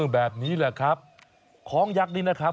แบบนี้แหละครับคล้องยักษ์นี้นะครับ